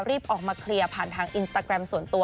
รีบออกมาเคลียร์ผ่านทางอินสตาแกรมส่วนตัว